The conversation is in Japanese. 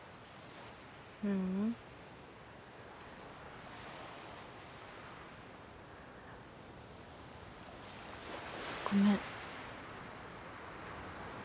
ううん。ごめん。